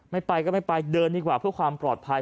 ไม่ไปก็ไม่ไปเดินดีกว่าเพื่อความปลอดภัย